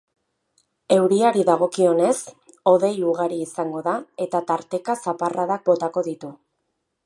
Euriari dagokionez, hodei ugari izango da eta tarteka zaparradak botako ditu.